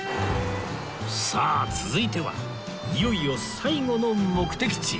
さあ続いてはいよいよ最後の目的地へ